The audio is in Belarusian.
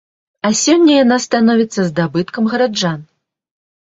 А сёння яна становіцца здабыткам гараджан.